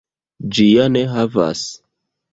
Ĝi ja ne havas!